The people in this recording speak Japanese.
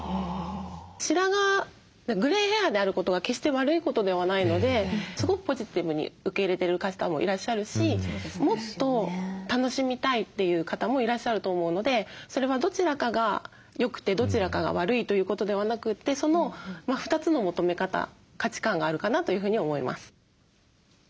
白髪グレイヘアであることは決して悪いことではないのですごくポジティブに受け入れてる方もいらっしゃるしもっと楽しみたいという方もいらっしゃると思うのでそれはどちらかが良くてどちらかが悪いということではなくてその２つの求め方価値観があるかなというふうに思います。